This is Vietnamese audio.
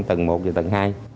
tầng một và tầng hai